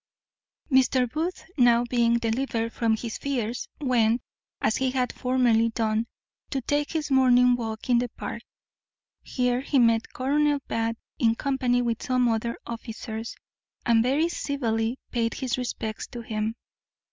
Mr. Booth, now being delivered from his fears, went, as he had formerly done, to take his morning walk in the Park. Here he met Colonel Bath in company with some other officers, and very civilly paid his respects to him.